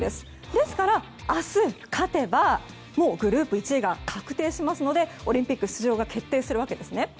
ですから、明日勝てばもうグループ１位が確定しますのでオリンピック出場が決定するわけですね。